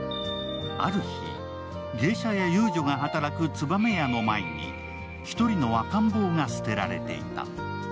ある日、芸者や遊女が働く燕屋の前に１人の赤ん坊が捨てられていた。